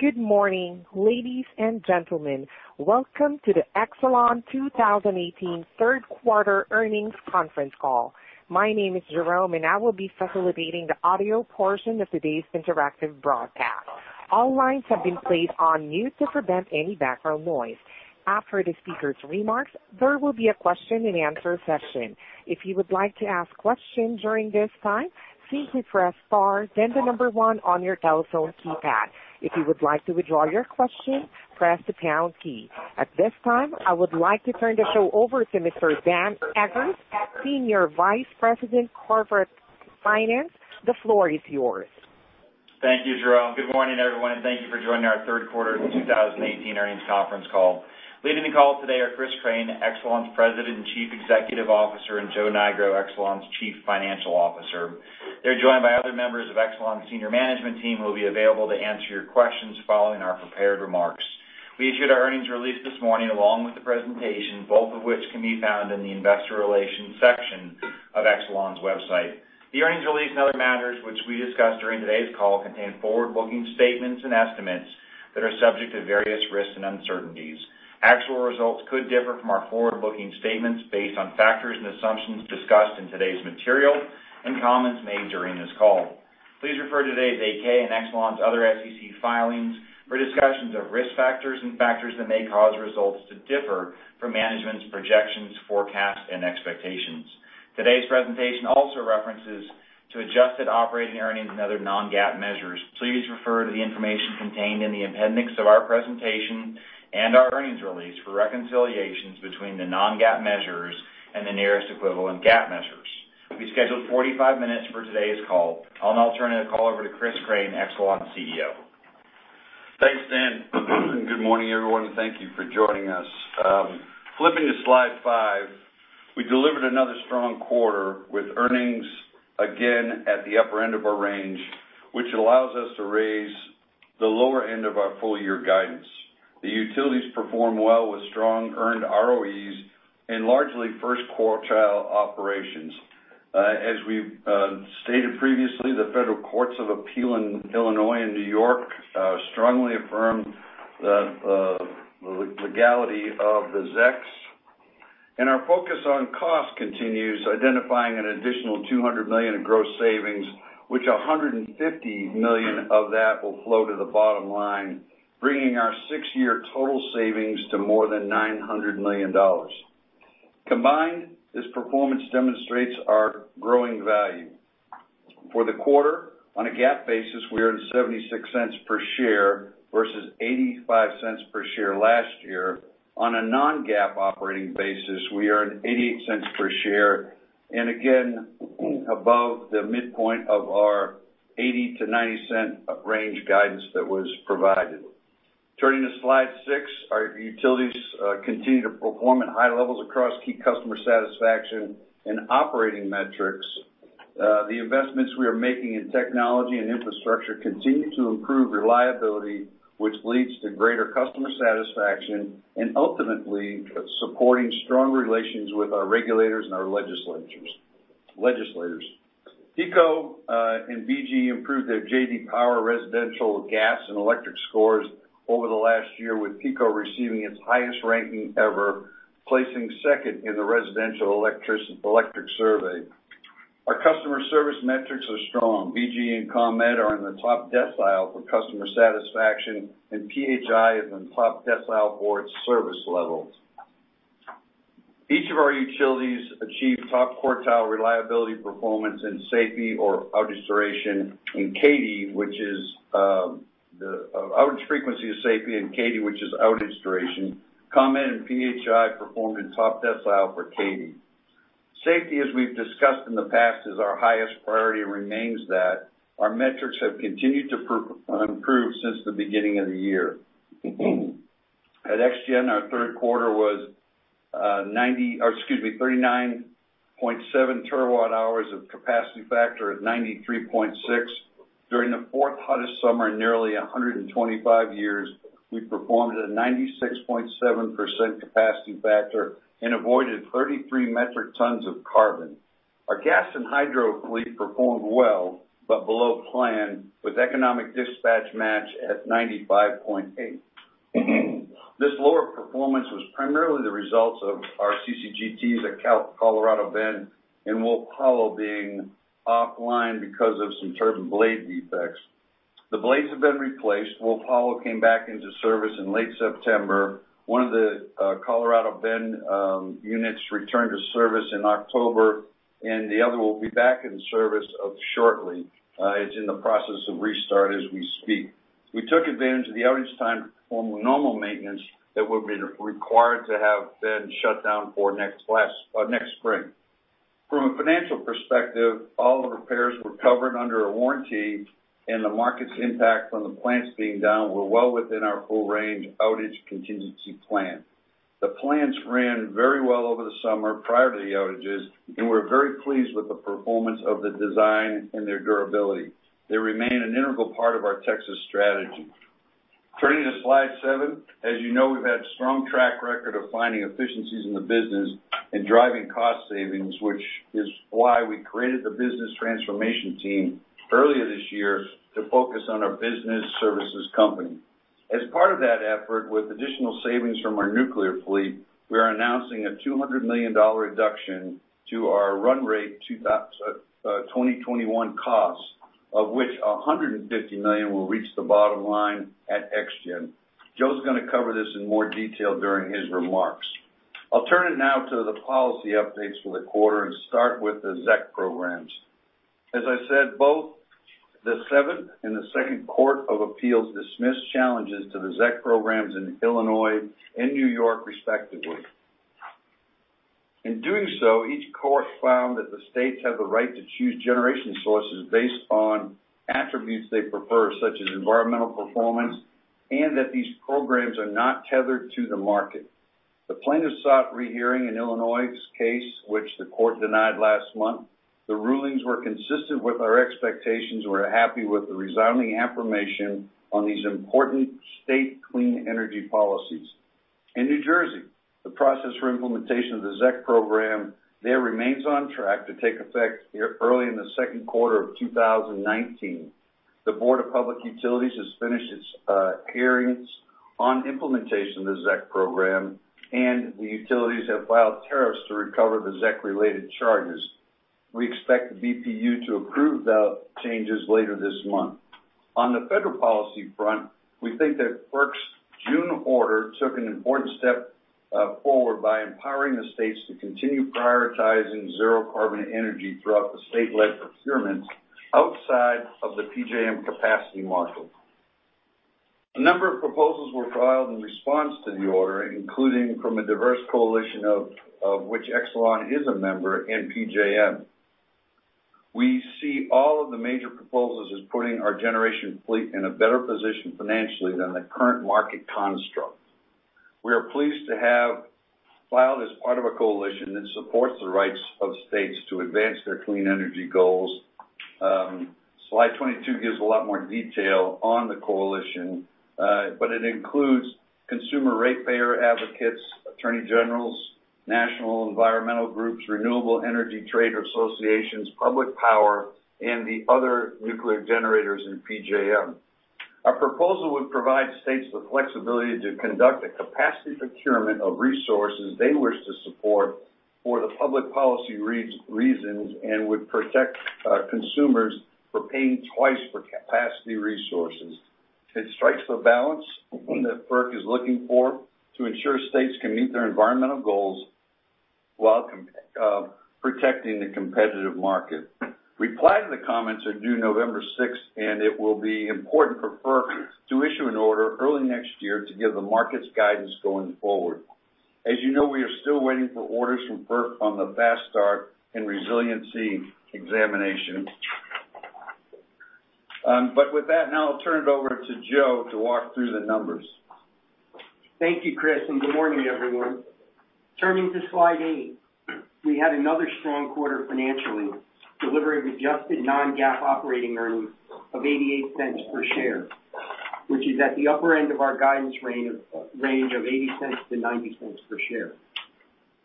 Good morning, ladies and gentlemen. Welcome to the Exelon 2018 third quarter earnings conference call. My name is Jerome, and I will be facilitating the audio portion of today's interactive broadcast. All lines have been placed on mute to prevent any background noise. After the speakers' remarks, there will be a question and answer session. If you would like to ask questions during this time, please press star, then the number 1 on your telephone keypad. If you would like to withdraw your question, press the pound key. At this time, I would like to turn the show over to Mr. Daniel Eggers, Senior Vice President, Corporate Finance. The floor is yours. Thank you, Jerome. Good morning, everyone, and thank you for joining our third quarter 2018 earnings conference call. Leading the call today are Chris Crane, Exelon's President and Chief Executive Officer, and Joe Nigro, Exelon's Chief Financial Officer. They're joined by other members of Exelon's senior management team who will be available to answer your questions following our prepared remarks. We issued our earnings release this morning along with the presentation, both of which can be found in the investor relations section of Exelon's website. The earnings release and other matters which we discuss during today's call contain forward-looking statements and estimates that are subject to various risks and uncertainties. Actual results could differ from our forward-looking statements based on factors and assumptions discussed in today's material and comments made during this call. Please refer to today's 8-K and Exelon's other SEC filings for discussions of risk factors and factors that may cause results to differ from management's projections, forecasts, and expectations. Today's presentation also references to adjusted operating earnings and other non-GAAP measures. Please refer to the information contained in the appendix of our presentation and our earnings release for reconciliations between the non-GAAP measures and the nearest equivalent GAAP measures. We scheduled 45 minutes for today's call. I'll now turn the call over to Chris Crane, Exelon's CEO. Thanks, Dan. Good morning, everyone, and thank you for joining us. Flipping to slide five, we delivered another strong quarter with earnings again at the upper end of our range, which allows us to raise the lower end of our full-year guidance. The utilities performed well with strong earned ROEs in largely first quartile operations. As we've stated previously, the federal courts of appeal in Illinois and New York strongly affirmed the legality of the ZECs. Our focus on cost continues, identifying an additional $200 million in gross savings, which $150 million of that will flow to the bottom line, bringing our six-year total savings to more than $900 million. Combined, this performance demonstrates our growing value. For the quarter, on a GAAP basis, we earned $0.66 per share versus $0.85 per share last year. On a non-GAAP operating basis, we earned $0.88 per share, again, above the midpoint of our $0.80-$0.90 range guidance that was provided. Turning to slide seven, our utilities continue to perform at high levels across key customer satisfaction and operating metrics. The investments we are making in technology and infrastructure continue to improve reliability, which leads to greater customer satisfaction and ultimately supporting strong relations with our regulators and our legislators. PECO and BGE improved their J.D. Power residential gas and electric scores over the last year, with PECO receiving its highest ranking ever, placing second in the residential electric survey. Our customer service metrics are strong. BGE and ComEd are in the top decile for customer satisfaction. PHI is in the top decile for its service levels. Each of our utilities achieved top quartile reliability performance in or outage duration in CAIDI, which is outage frequency of SAIFI, and CAIDI, which is outage duration. ComEd and PHI performed in top decile for CAIDI. Safety, as we've discussed in the past, is our highest priority and remains that. Our metrics have continued to improve since the beginning of the year. At ExGen, our third quarter was 39.7 terawatt hours of capacity factor at 93.6%. During the fourth hottest summer in nearly 125 years, we performed at a 96.7% capacity factor and avoided 33 metric tons of carbon. Our gas and hydro fleet performed well, below plan, with economic dispatch match at 95.8%. This lower performance was primarily the result of our CCGTs at Colorado Bend and Wolf Hollow being offline because of some turbine blade defects. The blades have been replaced. Wolf Hollow came back into service in late September. One of the Colorado Bend units returned to service in October. The other will be back in service shortly. It's in the process of restart as we speak. We took advantage of the outage time to perform normal maintenance that would be required to have been shut down for next spring. From a financial perspective, all the repairs were covered under a warranty. The market's impact on the plants being down were well within our full range outage contingency plan. The plants ran very well over the summer prior to the outages. We're very pleased with the performance of the design and their durability. They remain an integral part of our Texas strategy. Turning to slide seven. As you know, we've had a strong track record of finding efficiencies in the business and driving cost savings, which is why we created the business transformation team earlier this year to focus on our Exelon Business Services Company. As part of that effort, with additional savings from our nuclear fleet, we are announcing a $200 million reduction to our run rate 2021 costs, of which $150 million will reach the bottom line at ExGen. Joe's going to cover this in more detail during his remarks. I'll turn it now to the policy updates for the quarter and start with the ZEC programs. As I said, both the Seventh and the Second Court of Appeals dismissed challenges to the ZEC programs in Illinois and New York respectively. In doing so, each court found that the states have the right to choose generation sources based on attributes they prefer, such as environmental performance, and that these programs are not tethered to the market. The plaintiffs sought rehearing in Illinois' case, which the court denied last month. The rulings were consistent with our expectations. We are happy with the resounding affirmation on these important state clean energy policies. In New Jersey, the process for implementation of the ZEC program there remains on track to take effect early in the second quarter of 2019. The Board of Public Utilities has finished its hearings on implementation of the ZEC program, and the utilities have filed tariffs to recover the ZEC-related charges. We expect the BPU to approve the changes later this month. On the federal policy front, we think that FERC's June order took an important step forward by empowering the states to continue prioritizing zero carbon energy throughout the state-led procurements outside of the PJM capacity model. A number of proposals were filed in response to the order, including from a diverse coalition of which Exelon is a member, in PJM. We see all of the major proposals as putting our generation fleet in a better position financially than the current market construct. We are pleased to have filed as part of a coalition that supports the rights of states to advance their clean energy goals. Slide 22 gives a lot more detail on the coalition, but it includes consumer ratepayer advocates, attorney generals, national environmental groups, renewable energy trade associations, public power, and the other nuclear generators in PJM. Our proposal would provide states the flexibility to conduct a capacity procurement of resources they wish to support for the public policy reasons and would protect consumers for paying twice for capacity resources. It strikes the balance that FERC is looking for to ensure states can meet their environmental goals while protecting the competitive market. Reply to the comments are due November 6th, and it will be important for FERC to issue an order early next year to give the markets guidance going forward. As you know, we are still waiting for orders from FERC on the fast start and resiliency examination. With that, now I'll turn it over to Joe to walk through the numbers. Thank you, Chris. Good morning, everyone. Turning to slide eight. We had another strong quarter financially, delivering adjusted non-GAAP operating earnings of $0.88 per share, which is at the upper end of our guidance range of $0.80-$0.90 per share.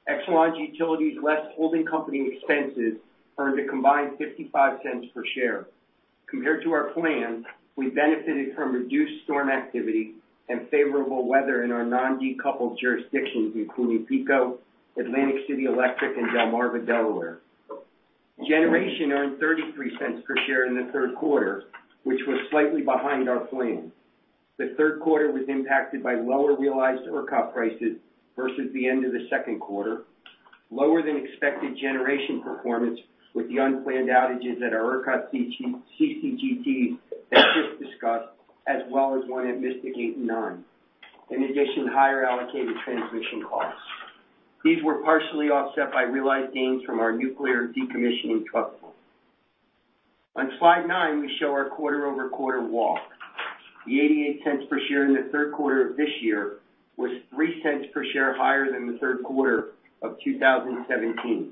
Exelon Utilities, less holding company expenses, earned a combined $0.55 per share. Compared to our plan, we benefited from reduced storm activity and favorable weather in our non-decoupled jurisdictions, including PECO, Atlantic City Electric, and Delmarva Delaware. Generation earned $0.33 per share in the third quarter, which was slightly behind our plan. The third quarter was impacted by lower realized ERCOT prices versus the end of the second quarter, lower than expected generation performance with the unplanned outages at our ERCOT CCGTs that Chris discussed, as well as one at Mystic 8 and 9. In addition, higher allocated transmission costs. These were partially offset by realized gains from our nuclear decommissioning trust. On slide nine, we show our quarter-over-quarter walk. The $0.88 per share in the third quarter of this year was $0.03 per share higher than the third quarter of 2017.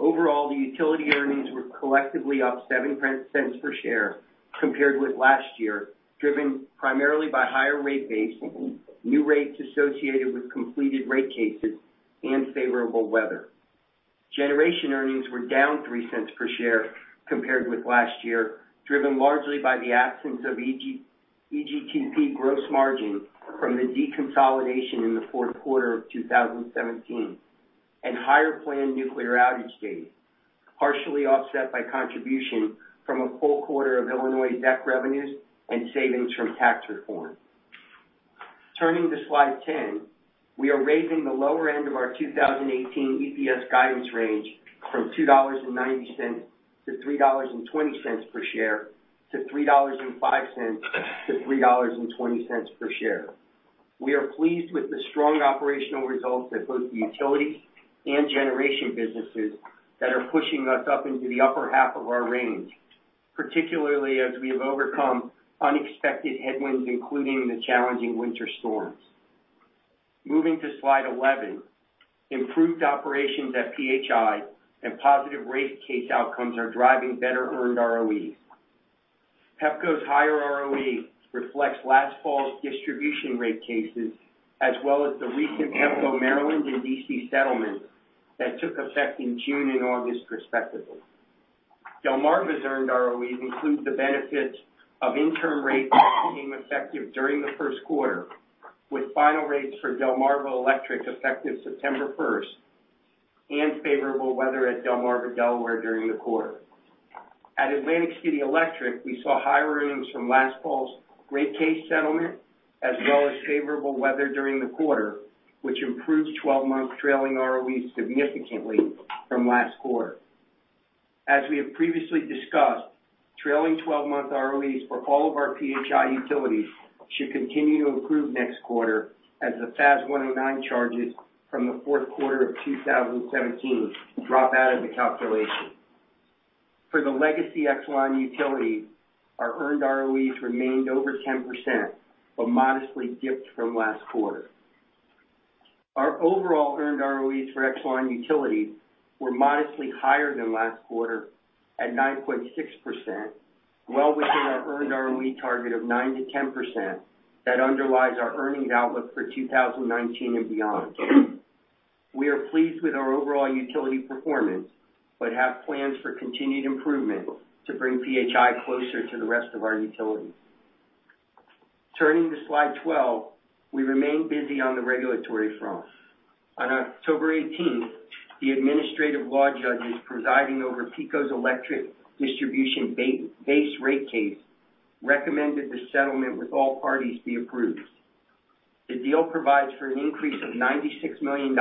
Overall, the utility earnings were collectively up $0.07 per share compared with last year, driven primarily by higher rate base, new rates associated with completed rate cases and favorable weather. Generation earnings were down $0.03 per share compared with last year, driven largely by the absence of EGTP gross margin from the deconsolidation in the fourth quarter of 2017, and higher planned nuclear outage days, partially offset by contribution from a full quarter of Illinois ZEC revenues and savings from tax reform. Turning to slide 10. We are raising the lower end of our 2018 EPS guidance range from $2.90-$3.20 per share to $3.05-$3.20 per share. We are pleased with the strong operational results at both the utility and generation businesses that are pushing us up into the upper half of our range, particularly as we have overcome unexpected headwinds, including the challenging winter storms. Moving to slide 11, improved operations at PHI and positive rate case outcomes are driving better earned ROEs. Pepco's higher ROE reflects last fall's distribution rate cases, as well as the recent Pepco Maryland and D.C. settlement that took effect in June and August respectively. Delmarva's earned ROEs include the benefits of interim rates that became effective during the first quarter, with final rates for Delmarva Electric effective September 1st, and favorable weather at Delmarva Delaware during the quarter. At Atlantic City Electric, we saw higher earnings from last fall's rate case settlement, as well as favorable weather during the quarter, which improved 12-month trailing ROEs significantly from last quarter. As we have previously discussed, trailing 12-month ROEs for all of our PHI utilities should continue to improve next quarter as the FAS 109 charges from the fourth quarter of 2017 drop out of the calculation. For the legacy Exelon utility, our earned ROEs remained over 10%, but modestly dipped from last quarter. Our overall earned ROEs for Exelon utility were modestly higher than last quarter at 9.6%, well within our earned ROE target of 9%-10% that underlies our earnings outlook for 2019 and beyond. We are pleased with our overall utility performance, but have plans for continued improvement to bring PHI closer to the rest of our utilities. Turning to slide 12, we remain busy on the regulatory front. On October 18th, the administrative law judges presiding over PECO's electric distribution base rate case recommended the settlement with all parties be approved. The deal provides for an increase of $96 million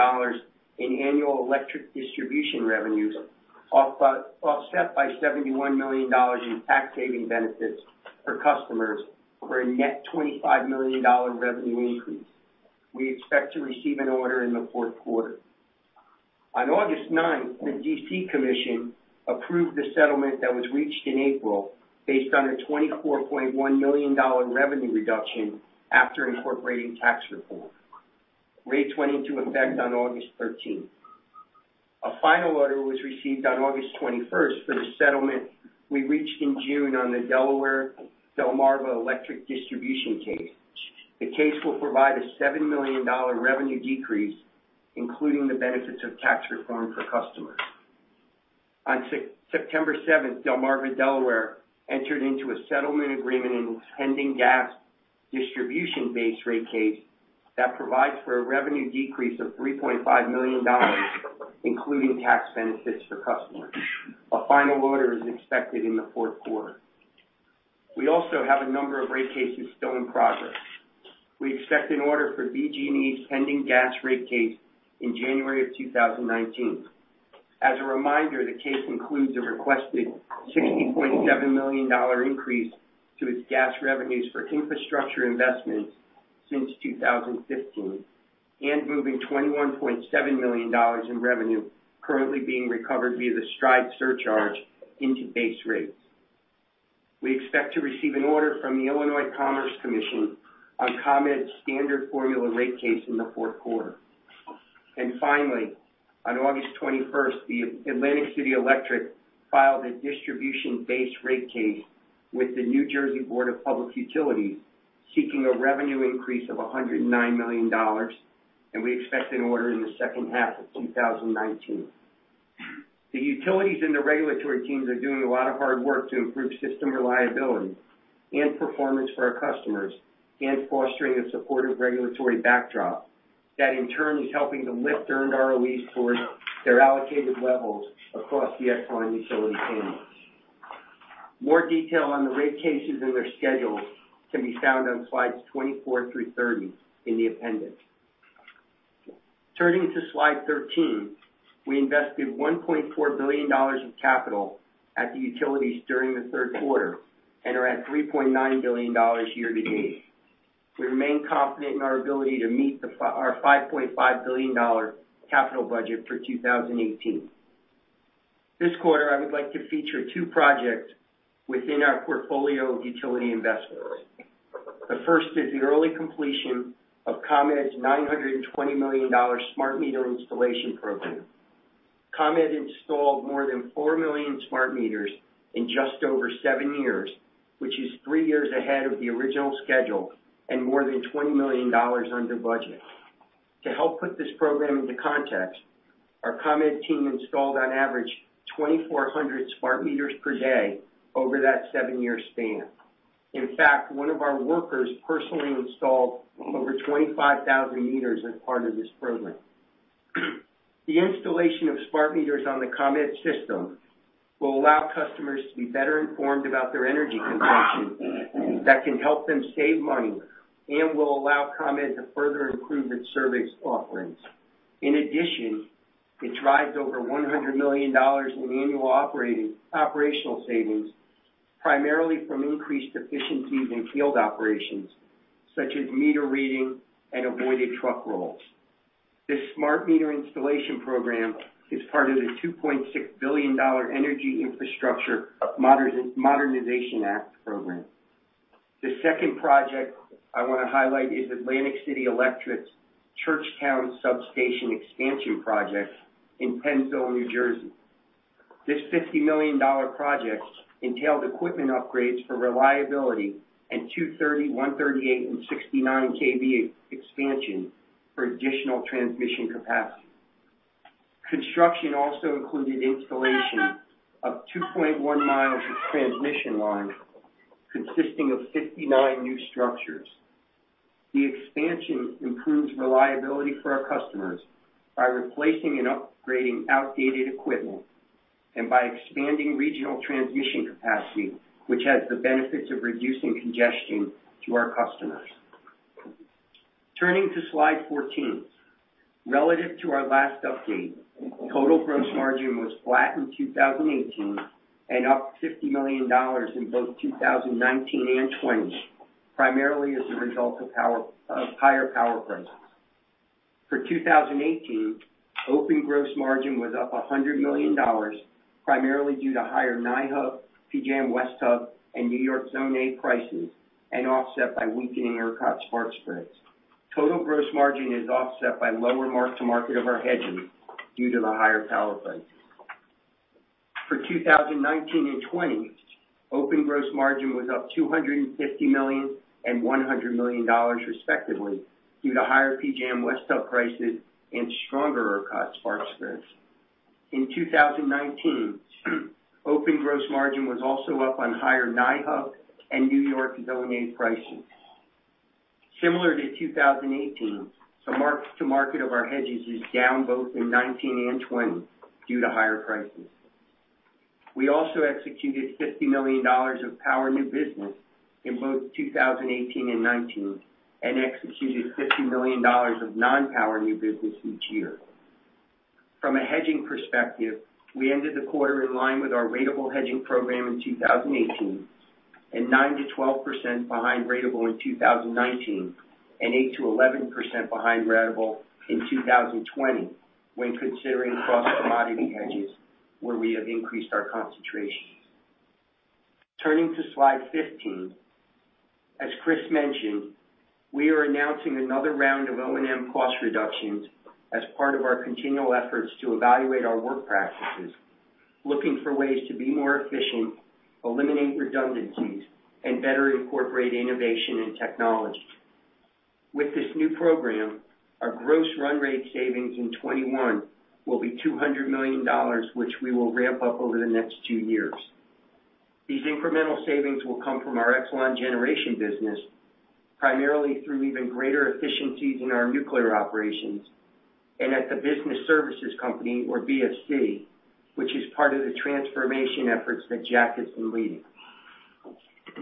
in annual electric distribution revenues, offset by $71 million in tax saving benefits for customers for a net $25 million revenue increase. We expect to receive an order in the fourth quarter. On August 9th, the D.C. Commission approved the settlement that was reached in April, based on a $24.1 million revenue reduction after incorporating tax reform. Rates went into effect on August 13th. A final order was received on August 21st for the settlement we reached in June on the Delmarva Delaware electric distribution case. The case will provide a $7 million revenue decrease, including the benefits of tax reform for customers. On September 7th, Delmarva Power entered into a settlement agreement in its pending gas distribution base rate case that provides for a revenue decrease of $3.5 million, including tax benefits for customers. A final order is expected in the fourth quarter. We also have a number of rate cases still in progress. We expect an order for BGE's pending gas rate case in January of 2019. As a reminder, the case includes a requested $60.7 million increase to its gas revenues for infrastructure investments since 2015 and moving $21.7 million in revenue currently being recovered via the STRIDE Rider into base rates. We expect to receive an order from the Illinois Commerce Commission on ComEd's standard formula rate case in the fourth quarter. Finally, on August 21st, Atlantic City Electric filed a distribution base rate case with the New Jersey Board of Public Utilities, seeking a revenue increase of $109 million, and we expect an order in the second half of 2019. The utilities and the regulatory teams are doing a lot of hard work to improve system reliability and performance for our customers, and fostering a supportive regulatory backdrop that in turn is helping to lift earned ROEs towards their allocated levels across the Exelon utility panels. More detail on the rate cases and their schedules can be found on slides 24 through 30 in the appendix. Turning to slide 13, we invested $1.4 billion in capital at the utilities during the third quarter, and are at $3.9 billion year-to-date. We remain confident in our ability to meet our $5.5 billion capital budget for 2018. This quarter, I would like to feature two projects within our portfolio of utility investments. The first is the early completion of ComEd's $920 million smart meter installation program. ComEd installed more than 4 million smart meters in just over seven years, which is three years ahead of the original schedule and more than $20 million under budget. To help put this program into context, our ComEd team installed on average 2,400 smart meters per day over that seven-year span. In fact, one of our workers personally installed over 25,000 meters as part of this program. The installation of smart meters on the ComEd system will allow customers to be better informed about their energy consumption that can help them save money and will allow ComEd to further improve its service offerings. In addition, it drives over $100 million in annual operational savings, primarily from increased efficiencies in field operations, such as meter reading and avoided truck rolls. This smart meter installation program is part of the $2.6 billion Energy Infrastructure Modernization Act program. The second project I want to highlight is Atlantic City Electric's Churchtown Substation expansion project in Pennsauken, New Jersey. This $50 million project entailed equipment upgrades for reliability and 230, 138, and 69 KV expansion for additional transmission capacity. Construction also included installation of 2.1 miles of transmission line consisting of 59 new structures. The expansion improves reliability for our customers by replacing and upgrading outdated equipment and by expanding regional transmission capacity, which has the benefits of reducing congestion to our customers. Turning to slide 14. Relative to our last update, total gross margin was flat in 2018 and up $50 million in both 2019 and 2020, primarily as a result of higher power prices. For 2018, open gross margin was up $100 million, primarily due to higher NYISO Hub, PJM Western Hub, and NYISO Zone A prices, and offset by weakening ERCOT spark spreads. Total gross margin is offset by lower mark-to-market of our hedges due to the higher power prices. For 2019 and 2020, open gross margin was up $250 million and $100 million respectively, due to higher PJM Western Hub prices and stronger ERCOT spark spreads. In 2019, open gross margin was also up on higher NYISO Hub and NYISO Zone A prices. Similar to 2018, the mark-to-market of our hedges is down both in 2019 and 2020 due to higher prices. We also executed $50 million of power new business in both 2018 and 2019, and executed $50 million of non-power new business each year. From a hedging perspective, we ended the quarter in line with our ratable hedging program in 2018, and 9%-12% behind ratable in 2019, and 8%-11% behind ratable in 2020 when considering cross-commodity hedges where we have increased our concentration. Turning to slide 15. As Chris mentioned, we are announcing another round of O&M cost reductions as part of our continual efforts to evaluate our work practices, looking for ways to be more efficient, eliminate redundancies, and better incorporate innovation and technology. With this new program, our gross run rate savings in 2021 will be $200 million, which we will ramp up over the next two years. These incremental savings will come from our Exelon Generation business, primarily through even greater efficiencies in our nuclear operations, and at the Exelon Business Services Company, or BSC, which is part of the transformation efforts that Jack has been leading.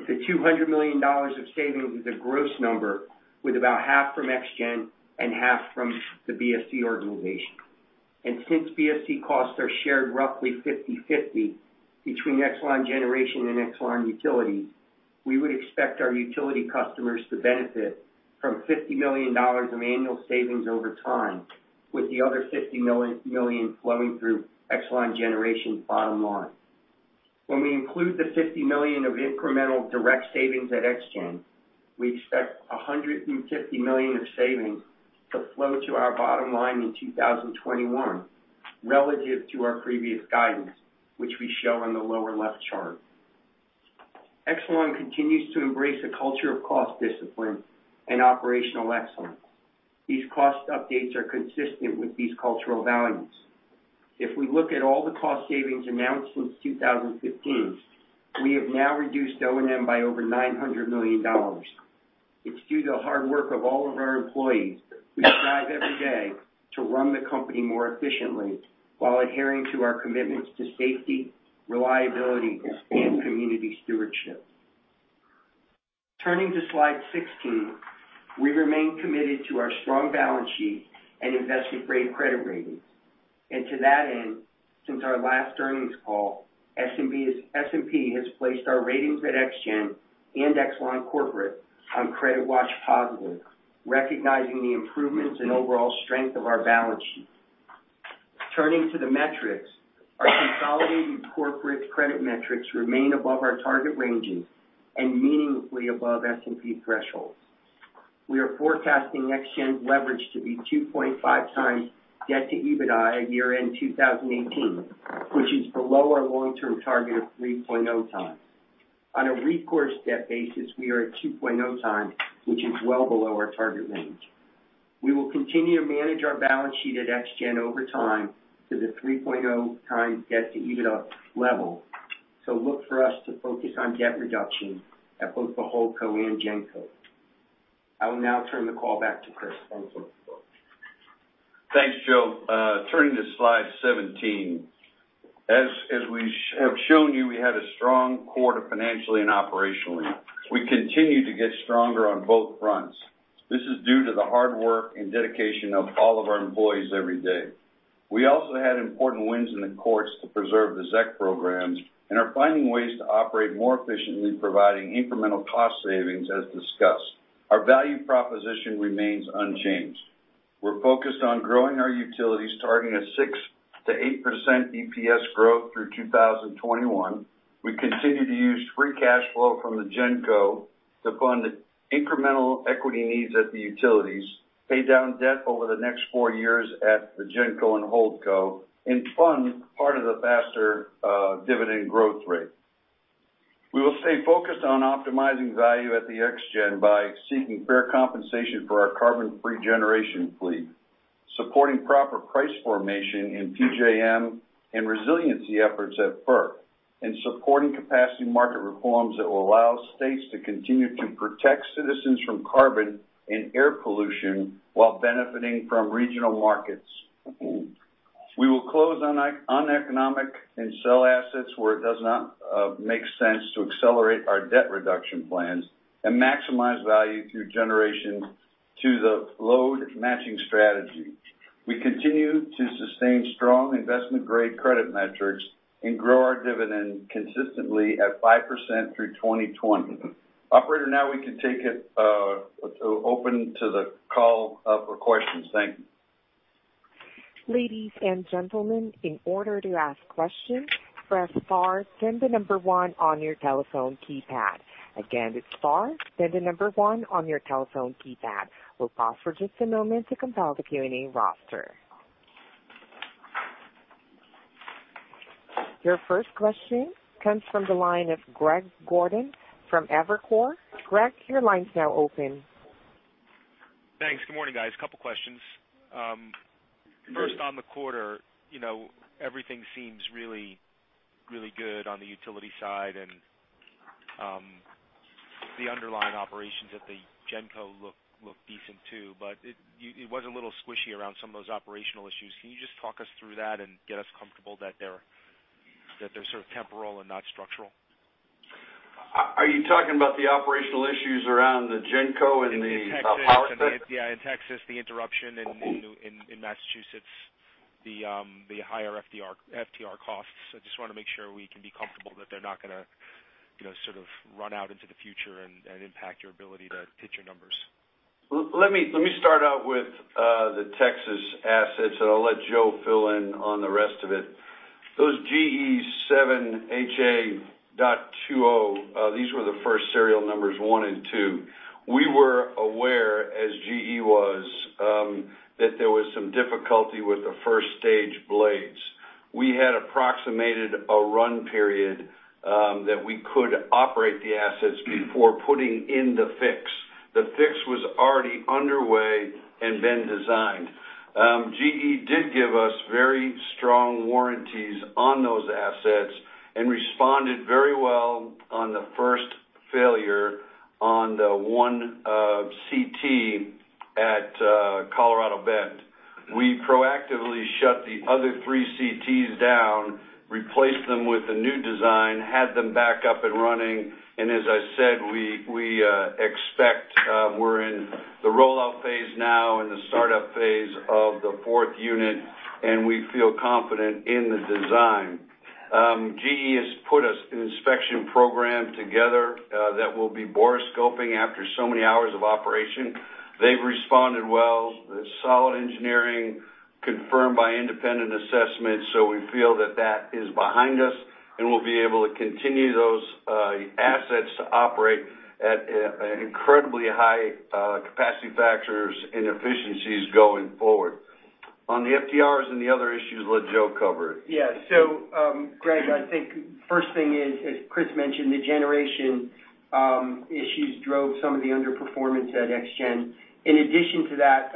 The $200 million of savings is a gross number with about half from ExGen and half from the BSC organization. Since BSC costs are shared roughly 50/50 between Exelon Generation and Exelon Utilities, we would expect our utility customers to benefit from $50 million of annual savings over time. With the other $50 million flowing through Exelon Generation's bottom line. When we include the $50 million of incremental direct savings at ExGen, we expect $150 million of savings to flow to our bottom line in 2021 relative to our previous guidance, which we show on the lower left chart. Exelon continues to embrace a culture of cost discipline and operational excellence. These cost updates are consistent with these cultural values. If we look at all the cost savings announced since 2015, we have now reduced O&M by over $900 million. It's due to the hard work of all of our employees who strive every day to run the company more efficiently while adhering to our commitments to safety, reliability, and community stewardship. Turning to slide 16. We remain committed to our strong balance sheet and investor-grade credit ratings. To that end, since our last earnings call, S&P has placed our ratings at ExGen and Exelon Corporation on credit watch positive, recognizing the improvements in overall strength of our balance sheet. Turning to the metrics, our consolidated corporate credit metrics remain above our target ranges and meaningfully above S&P thresholds. We are forecasting ExGen leverage to be 2.5 times debt to EBITDA at year-end 2018, which is below our long-term target of 3.0 times. On a recourse debt basis, we are at 2.0 times, which is well below our target range. We will continue to manage our balance sheet at ExGen over time to the 3.0 times debt to EBITDA level. Look for us to focus on debt reduction at both the HoldCo and GenCo. I will now turn the call back to Chris. Thank you. Thanks, Joe. Turning to slide 17. As we have shown you, we had a strong quarter financially and operationally. We continue to get stronger on both fronts. This is due to the hard work and dedication of all of our employees every day. We also had important wins in the courts to preserve the ZEC programs and are finding ways to operate more efficiently, providing incremental cost savings as discussed. Our value proposition remains unchanged. We're focused on growing our utilities, targeting a 6%-8% EPS growth through 2021. We continue to use free cash flow from the GenCo to fund incremental equity needs at the utilities, pay down debt over the next four years at the GenCo and HoldCo, and fund part of the faster dividend growth rate. We will stay focused on optimizing value at the ExGen by seeking fair compensation for our carbon-free generation fleet, supporting proper price formation in PJM and resiliency efforts at FERC, and supporting capacity market reforms that will allow states to continue to protect citizens from carbon and air pollution while benefiting from regional markets. We will close uneconomic and sell assets where it does not make sense to accelerate our debt reduction plans and maximize value through generation to the load matching strategy. We continue to sustain strong investment-grade credit metrics and grow our dividend consistently at 5% through 2020. Operator, now we can open the call up for questions. Thank you. Ladies and gentlemen, in order to ask questions, press star, then the number one on your telephone keypad. Again, it's star, then the number one on your telephone keypad. We'll pause for just a moment to compile the Q&A roster. Your first question comes from the line of Greg Gordon from Evercore. Greg, your line's now open. Thanks. Good morning, guys. Couple questions. First on the quarter. Everything seems really good on the utility side, and the underlying operations at the GenCo look decent, too. It was a little squishy around some of those operational issues. Can you just talk us through that and get us comfortable that they're sort of temporal and not structural? Are you talking about the operational issues around the GenCo and the power plant? In Texas, the interruption in Massachusetts, the higher FTR costs. I just want to make sure we can be comfortable that they're not going to sort of run out into the future and impact your ability to hit your numbers. Let me start out with the Texas assets, and I'll let Joe fill in on the rest of it. Those 7HA.02, these were the serial numbers 1 and 2. We were aware, as GE was, that there was some difficulty with the 1st-stage blades. We had approximated a run period that we could operate the assets before putting in the fix. The fix was already underway and been designed. GE did give us very strong warranties on those assets and responded very well on the first failure on the one CT at Colorado Bend. We proactively shut the other three CTs down, replaced them with a new design, had them back up and running, and as I said, we expect we're in the rollout phase now and the startup phase of the fourth unit, and we feel confident in the design. GE has put an inspection program together that will be bore scoping after so many hours of operation. They've responded well. There's solid engineering confirmed by independent assessments, so we feel that that is behind us, and we'll be able to continue those assets to operate at incredibly high capacity factors and efficiencies going forward. On the FTRs and the other issues, let Joe cover it. Yeah. Greg, I think first thing is, as Chris mentioned, the generation issues drove some of the underperformance at ExGen. In addition to that,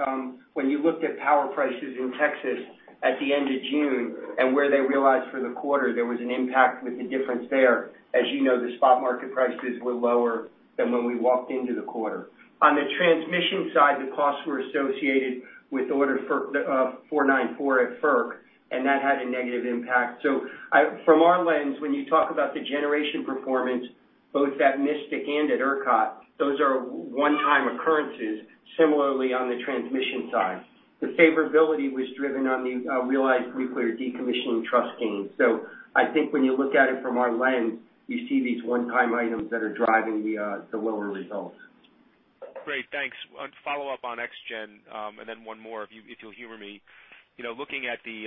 when you looked at power prices in Texas at the end of June and where they realized for the quarter, there was an impact with the difference there. As you know, the spot market prices were lower than when we walked into the quarter. On the transmission side, the costs were associated with [inaudible] at FERC, and that had a negative impact. From our lens, when you talk about the generation performance, both at Mystic and at ERCOT, those are one-time occurrences. Similarly, on the transmission side. The favorability was driven on the realized nuclear decommissioning trust gains. I think when you look at it from our lens, you see these one-time items that are driving the lower results. Great. Thanks. On follow-up on ExGen, and then one more, if you'll humor me. Looking at the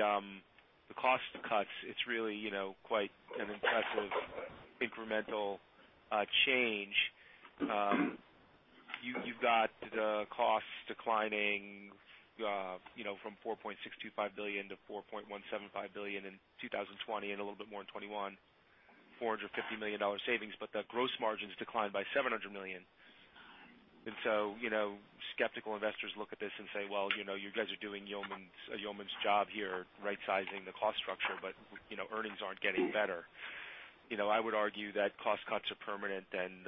cost cuts, it's really quite an impressive incremental change. You've got the costs declining from $4.625 billion to $4.175 billion in 2020 and a little bit more in 2021, $450 million savings, the gross margins declined by $700 million. Skeptical investors look at this and say, "Well, you guys are doing a yeoman's job here rightsizing the cost structure, but earnings aren't getting better." I would argue that cost cuts are permanent and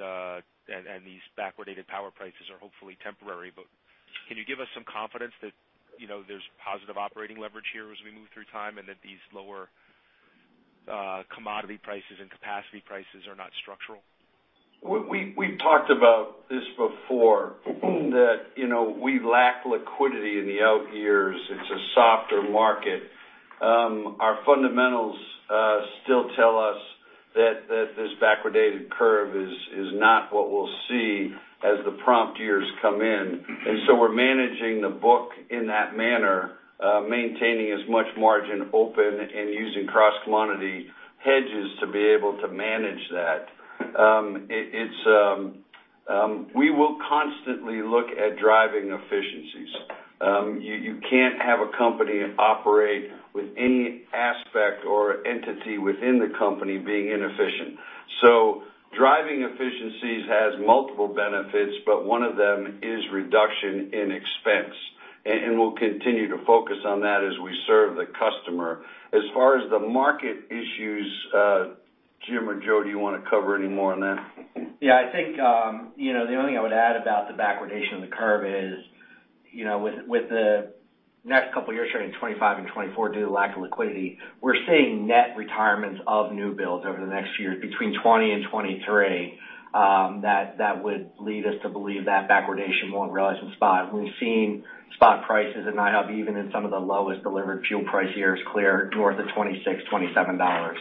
these backwardated power prices are hopefully temporary. Can you give us some confidence that there's positive operating leverage here as we move through time and that these lower commodity prices and capacity prices are not structural? We've talked about this before, that we lack liquidity in the out years. It's a softer market. Our fundamentals still tell us that this backwardated curve is not what we'll see as the prompt years come in. We're managing the book in that manner, maintaining as much margin open and using cross-commodity hedges to be able to manage that. We will constantly look at driving efficiencies. You can't have a company operate with any aspect or entity within the company being inefficient. Driving efficiencies has multiple benefits, but one of them is reduction in expense, and we'll continue to focus on that as we serve the customer. As far as the market issues, Jim or Joe, do you want to cover any more on that? Yeah. I think the only thing I would add about the backwardation of the curve is, with the next couple of years, say in 2025 and 2024, due to lack of liquidity, we're seeing net retirements of new builds over the next few years between 2020 and 2023. That would lead us to believe that backwardation won't realize in spot. We've seen spot prices at NiHub even in some of the lowest delivered fuel price years clear north of $26, $27.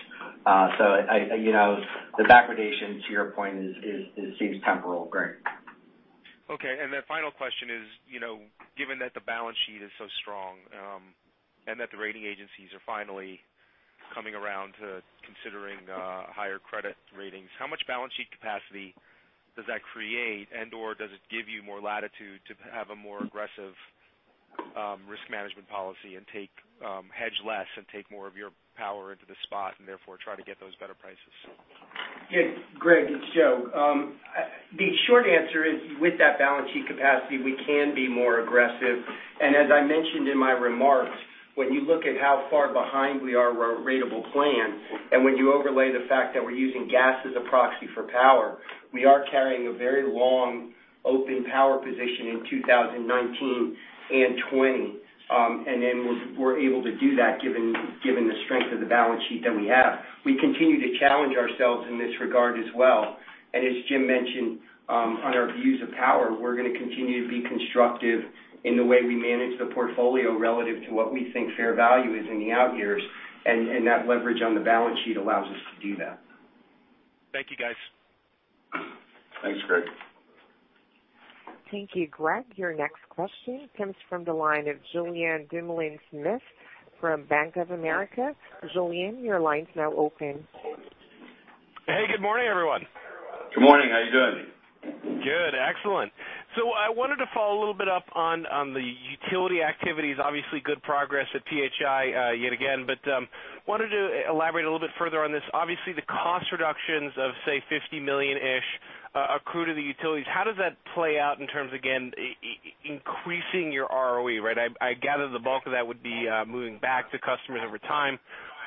The backwardation to your point seems temporal, Greg. Okay. Final question is, given that the balance sheet is so strong and that the rating agencies are finally coming around to considering higher credit ratings, how much balance sheet capacity does that create, and/or does it give you more latitude to have a more aggressive risk management policy and hedge less and take more of your power into the spot and therefore try to get those better prices? Yeah, Greg, it's Joe. The short answer is, with that balance sheet capacity, we can be more aggressive. As I mentioned in my remarks, when you look at how far behind we are with our ratable plan, and when you overlay the fact that we're using gas as a proxy for power, we are carrying a very long open power position in 2019 and 2020. We're able to do that given the strength of the balance sheet that we have. We continue to challenge ourselves in this regard as well. As Jim mentioned, on our views of power, we're going to continue to be constructive in the way we manage the portfolio relative to what we think fair value is in the out years. That leverage on the balance sheet allows us to do that. Thank you, guys. Thanks, Greg. Thank you, Greg. Your next question comes from the line of Julien Dumoulin-Smith from Bank of America. Julien, your line's now open. Hey, good morning, everyone. Good morning. How you doing? Good. Excellent. I wanted to follow a little bit up on the utility activities. Obviously, good progress at PHI, yet again. I wanted to elaborate a little bit further on this. Obviously, the cost reductions of, say, $50 million-ish accrue to the utilities. How does that play out in terms, again, increasing your ROE, right? I gather the bulk of that would be moving back to customers over time,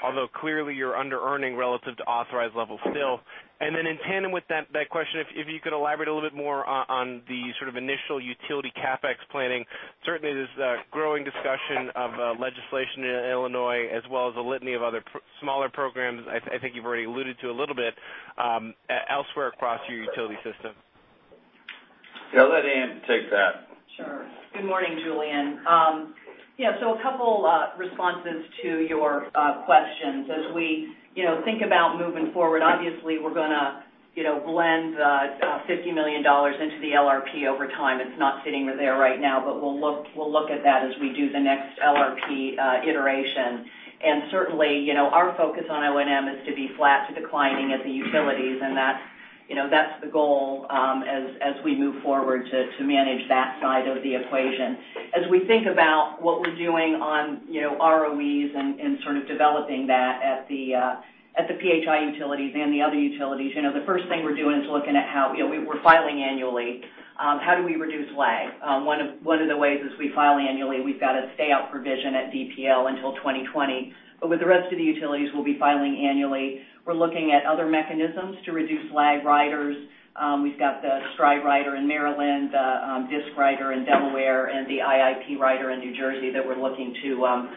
although clearly you're under-earning relative to authorized levels still. In tandem with that question, if you could elaborate a little bit more on the sort of initial utility CapEx planning. Certainly, there's growing discussion of legislation in Illinois as well as a litany of other smaller programs. I think you've already alluded to a little bit elsewhere across your utility system. I'll let Anne take that. Sure. Good morning, Julien. A couple responses to your questions. As we think about moving forward, obviously, we're going to blend $50 million into the LRP over time. It's not sitting there right now, but we'll look at that as we do the next LRP iteration. Certainly, our focus on O&M is to be flat to declining at the utilities, and that's the goal as we move forward to manage that side of the equation. As we think about what we're doing on ROEs and sort of developing that at the PHI utilities and the other utilities, the first thing we're doing is looking at how we're filing annually. How do we reduce lag? One of the ways is we file annually. We've got a stay out provision at DPL until 2020. With the rest of the utilities, we'll be filing annually. We're looking at other mechanisms to reduce lag riders. We've got the STRIDE Rider in Maryland, DSIC Rider in Delaware, and the IIP Rider in New Jersey that we're looking to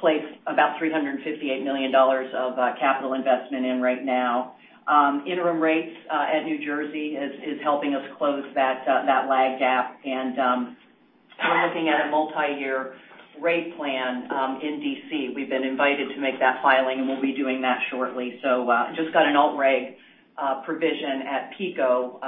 place about $358 million of capital investment in right now. Interim rates at New Jersey is helping us close that lag gap. We're looking at a multi-year rate plan in D.C. We've been invited to make that filing, and we'll be doing that shortly. Just got an alt rate provision at PECO,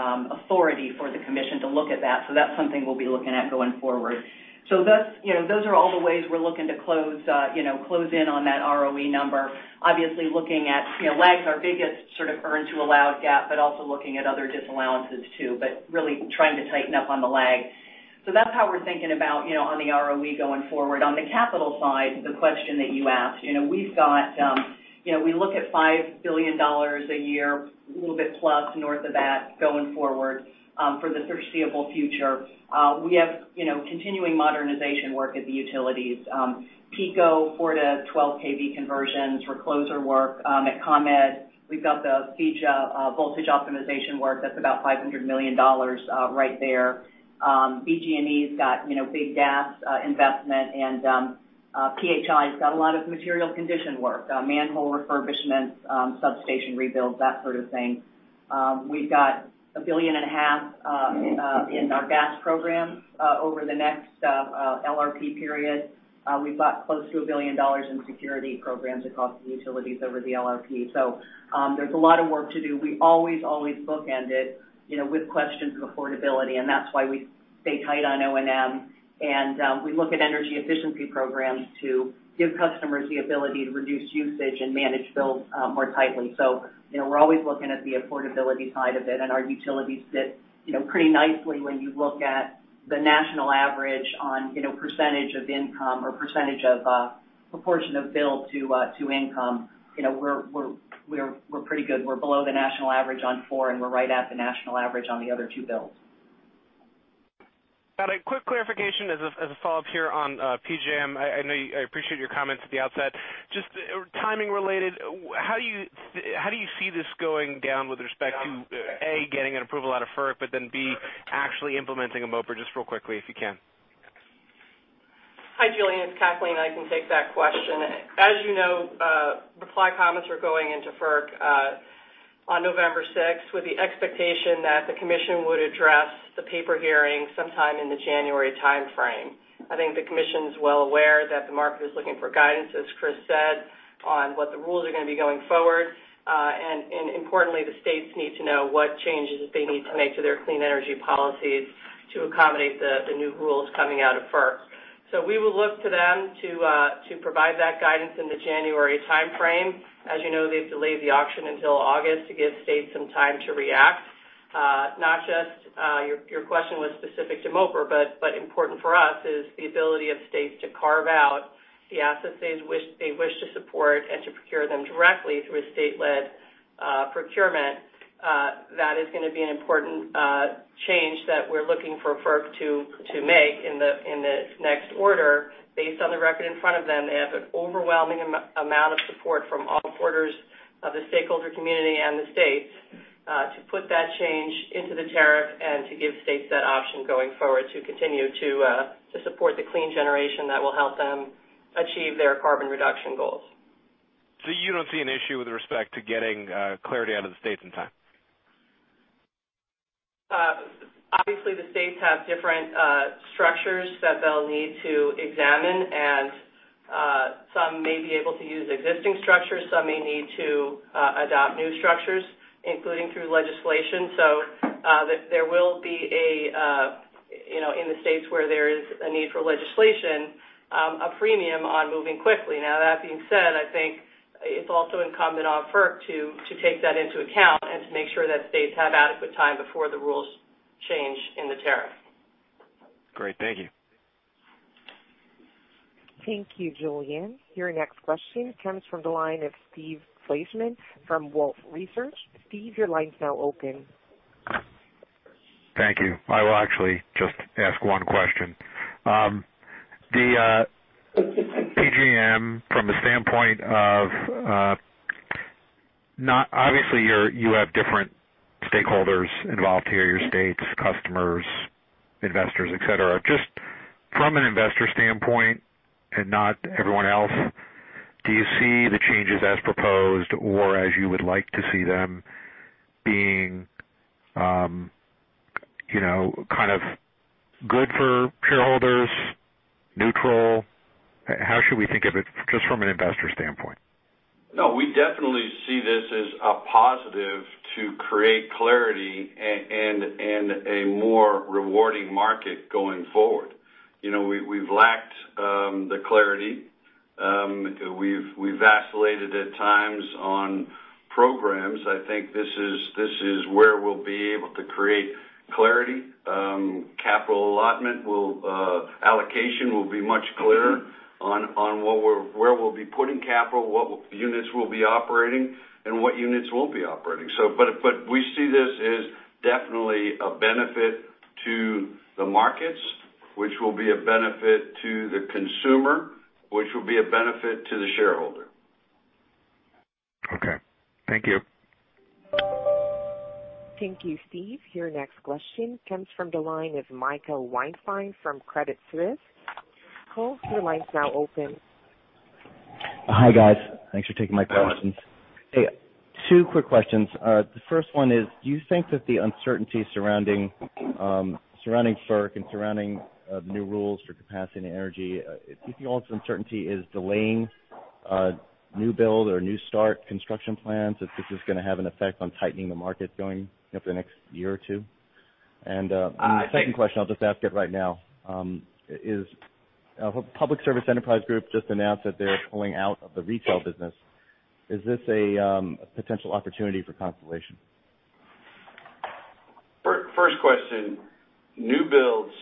authority for the commission to look at that. That's something we'll be looking at going forward. Those are all the ways we're looking to close in on that ROE number. Obviously, looking at lag is our biggest sort of earn to allow gap, also looking at other disallowances, too. Really trying to tighten up on the lag. That's how we're thinking about on the ROE going forward. On the capital side, the question that you asked. We look at $5 billion a year, a little bit plus north of that going forward for the foreseeable future. We have continuing modernization work at the utilities. PECO, 4-12 kV conversions, recloser work at ComEd. We've got the PECO voltage optimization work. That's about $500 million right there. BGE's got big gas investment, and PHI's got a lot of material condition work, manhole refurbishment, substation rebuilds, that sort of thing. We've got a billion and a half in our gas programs over the next LRP period. We've got close to $1 billion in security programs across the utilities over the LRP. There's a lot of work to do. We always bookend it with questions of affordability, and that's why we stay tight on O&M. We look at energy efficiency programs to give customers the ability to reduce usage and manage bills more tightly. We're always looking at the affordability side of it. Our utilities sit pretty nicely when you look at the national average on percentage of income or percentage of proportion of bill to income. We're pretty good. We're below the national average on four, we're right at the national average on the other two bills. Got a quick clarification as a follow-up here on PJM. I appreciate your comments at the outset. Just timing related, how do you see this going down with respect to, A, getting an approval out of FERC, but then, B, actually implementing a MOPR? Just real quickly, if you can. Hi, Julian, it's Kathleen. I can take that question. As you know, reply comments are going into FERC on November 6, with the expectation that the commission would address the paper hearing sometime in the January timeframe. I think the commission's well aware that the market is looking for guidance, as Chris said, on what the rules are going to be going forward. Importantly, the states need to know what changes they need to make to their clean energy policies to accommodate the new rules coming out of FERC. We will look to them to provide that guidance in the January timeframe. As you know, they've delayed the auction until August to give states some time to react. Your question was specific to MOPR, important for us is the ability of states to carve out the assets they wish to support and to procure them directly through a state-led procurement. That is going to be an important change that we're looking for FERC to make in the next order based on the record in front of them. They have an overwhelming amount of support from all quarters of the stakeholder community and the states to put that change into the tariff and to give states that option going forward to continue to support the clean generation that will help them achieve their carbon reduction goals. You don't see an issue with respect to getting clarity out of the states in time? Obviously, the states have different structures that they'll need to examine, some may be able to use existing structures. Some may need to adopt new structures, including through legislation. There will be, in the states where there is a need for legislation, a premium on moving quickly. That being said, I think it's also incumbent on FERC to take that into account and to make sure that states have adequate time before the rules change in the tariff. Great. Thank you. Thank you, Julien. Your next question comes from the line of Steve Fleishman from Wolfe Research. Steve, your line's now open. Thank you. I will actually just ask one question. PJM, from the standpoint of, obviously, you have different stakeholders involved here, your states, customers, investors, et cetera. Just from an investor standpoint and not everyone else, do you see the changes as proposed or as you would like to see them being kind of good for shareholders, neutral? How should we think of it just from an investor standpoint? We definitely see this as a positive to create clarity and a more rewarding market going forward. We've lacked the clarity. We've vacillated at times on programs. I think this is where we'll be able to create clarity. Capital allocation will be much clearer on where we'll be putting capital, what units we'll be operating, and what units won't be operating. We see this as definitely a benefit to the markets, which will be a benefit to the consumer, which will be a benefit to the shareholder. Okay. Thank you. Thank you, Steve. Your next question comes from the line of Michael Weinstein from Credit Suisse. Michael, your line's now open. Hi, guys. Thanks for taking my questions. Hey, two quick questions. The first one is, do you think that the uncertainty surrounding FERC and surrounding new rules for capacity and energy, do you think all this uncertainty is delaying new build or new start construction plans? If this is going to have an effect on tightening the market going up the next year or two? I think. The second question, I'll just ask it right now, Public Service Enterprise Group just announced that they're pulling out of the retail business. Is this a potential opportunity for Constellation? First question, new builds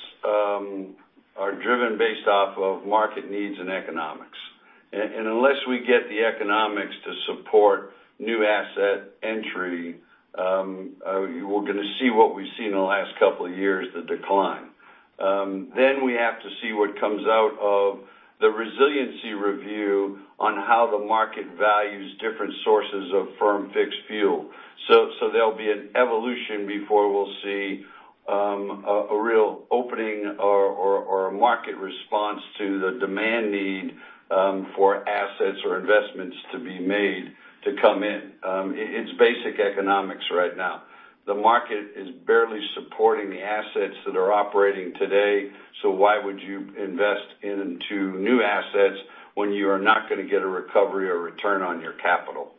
are driven based off of market needs and economics. Unless we get the economics to support new asset entry, we're going to see what we've seen in the last couple of years, the decline. We have to see what comes out of the resiliency review on how the market values different sources of firm fixed fuel. There'll be an evolution before we'll see a real opening or a market response to the demand need for assets or investments to be made to come in. It's basic economics right now. The market is barely supporting the assets that are operating today. Why would you invest into new assets when you are not going to get a recovery or return on your capital?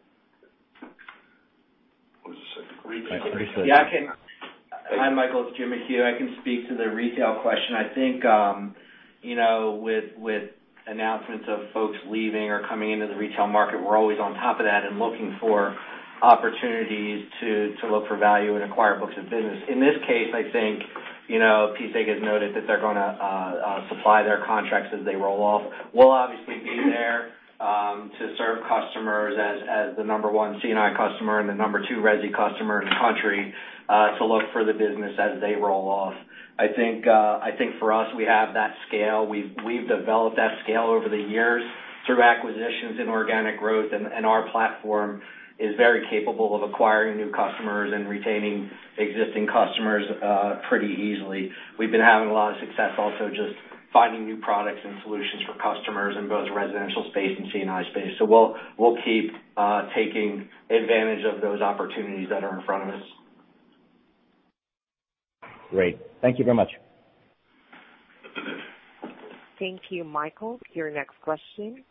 Hi, Michael. It's Jim McHugh. I can speak to the retail question. I think, with announcements of folks leaving or coming into the retail market, we're always on top of that and looking for opportunities to look for value and acquire books of business. In this case, I think, PSEG has noted that they're going to supply their contracts as they roll off. We'll obviously be there to serve customers as the number 1 C&I customer and the number 2 resi customer in the country to look for the business as they roll off. I think for us, we have that scale. We've developed that scale over the years through acquisitions and organic growth, and our platform is very capable of acquiring new customers and retaining existing customers pretty easily. We've been having a lot of success also just finding new products and solutions for customers in both residential space and C&I space. We'll keep taking advantage of those opportunities that are in front of us. Great. Thank you very much. Thank you, Michael. Your next question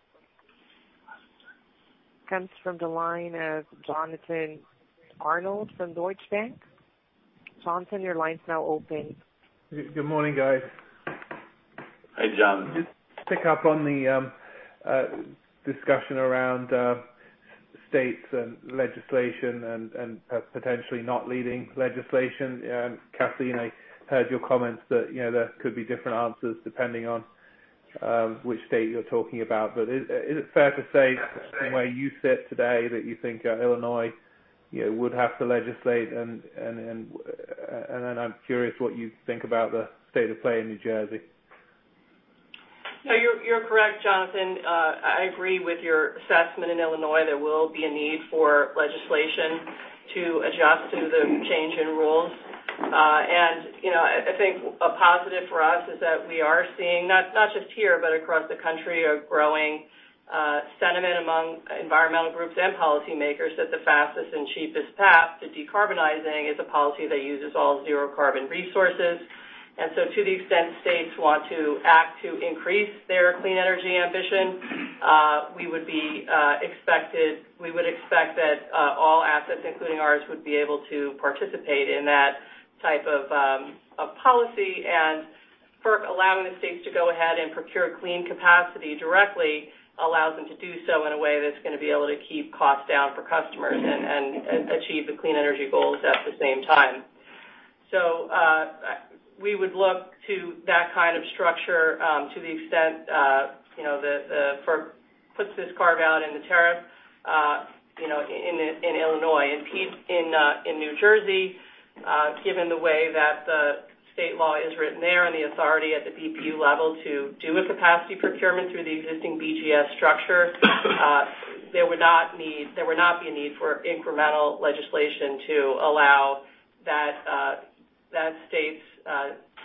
comes from the line of Jonathan Arnold from Deutsche Bank. Jonathan, your line's now open. Good morning, guys. Hi, John. Just pick up on the discussion around states and legislation and potentially not leading legislation. Kathleen, I heard your comments that there could be different answers depending on which state you're talking about. Is it fair to say, from where you sit today, that you think Illinois would have to legislate? Then I'm curious what you think about the state of play in New Jersey. No, you're correct, Jonathan. I agree with your assessment. In Illinois, there will be a need for legislation to adjust to the change in rules. I think a positive for us is that we are seeing, not just here, but across the country, a growing sentiment among environmental groups and policymakers that the fastest and cheapest path to decarbonizing is a policy that uses all zero carbon resources. To the extent states want to act to increase their clean energy ambition, we would expect that all assets, including ours, would be able to participate in that type of policy. FERC allowing the states to go ahead and procure clean capacity directly allows them to do so in a way that's going to be able to keep costs down for customers and achieve the clean energy goals at the same time. We would look to that kind of structure to the extent FERC puts this carve out in the tariff in Illinois. In New Jersey, given the way that the state law is written there and the authority at the BPU level to do a capacity procurement through the existing BGS structure, there would not be a need for incremental legislation to allow that state's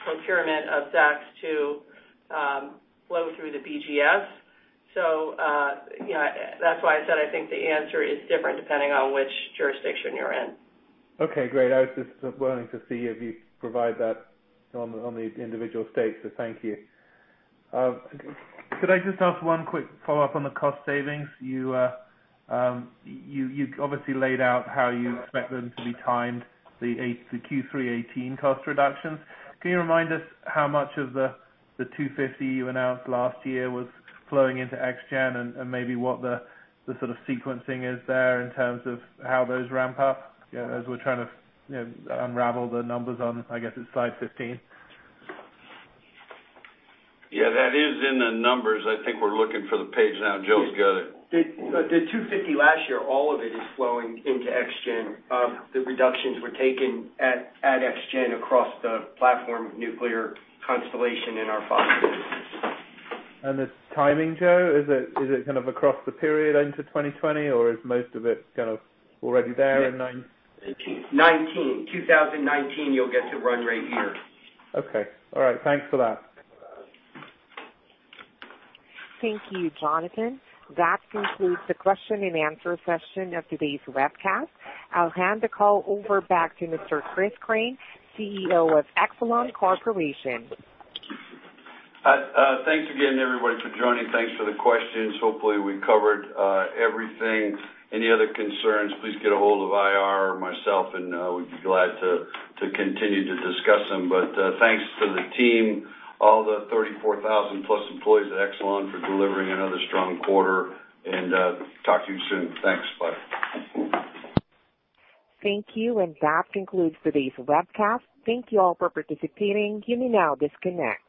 procurement of ZECs to flow through the BGS. That's why I said I think the answer is different depending on which jurisdiction you're in. Okay, great. I was just wanting to see if you'd provide that on the individual states, so thank you. Could I just ask one quick follow-up on the cost savings? You obviously laid out how you expect them to be timed, the Q3 2018 cost reductions. Can you remind us how much of the $250 you announced last year was flowing into ExGen, and maybe what the sort of sequencing is there in terms of how those ramp up, as we're trying to unravel the numbers on, I guess it's slide 15? Yeah, that is in the numbers. I think we're looking for the page now. Joe's got it. The $250 last year, all of it is flowing into ExGen. The reductions were taken at ExGen across the platform of nuclear Constellation in our portfolio. The timing, Joe? Is it kind of across the period into 2020, or is most of it kind of already there in nine- 2019. 2019, you'll get to run rate year. Okay. All right. Thanks for that. Thank you, Jonathan. That concludes the question and answer session of today's webcast. I'll hand the call over back to Mr. Chris Crane, CEO of Exelon Corporation. Thanks again, everybody, for joining. Thanks for the questions. Hopefully, we covered everything. Any other concerns, please get ahold of IR or myself, and we'd be glad to continue to discuss them. Thanks to the team, all the 34,000-plus employees at Exelon for delivering another strong quarter. Talk to you soon. Thanks. Bye. Thank you. That concludes today's webcast. Thank you all for participating. You may now disconnect.